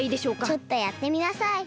ちょっとやってみなさい。